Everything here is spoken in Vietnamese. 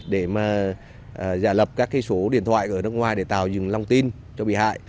để mà giả lập các số điện thoại ở nước ngoài để tạo dừng lòng tin cho bị hại